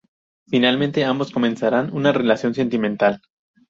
Finalmente ambos comenzarán una relación sentimental.